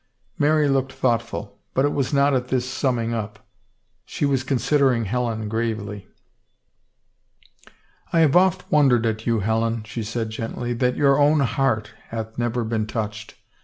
Mary looked thoughtful ; but it was not at this sum ming up. She was considering Helen gravely. I have oft wondered at you, Helen," she said gently, that your own heart hath never been touched.